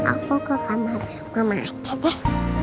aku ke kamar mama aja deh